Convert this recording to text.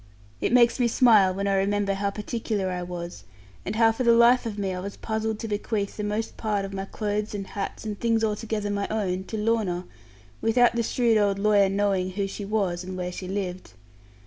It makes me smile when I remember how particular I was, and how for the life of me I was puzzled to bequeath most part of my clothes, and hats, and things altogether my own, to Lorna, without the shrewd old lawyer knowing who she was and where she lived.